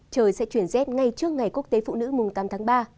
trời sẽ chuyển rét ngay trước ngày quốc tế phụ nữ mùng tám tháng ba